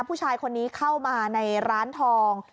ผู้ชายคนนี้เข้ามาในร้านทอง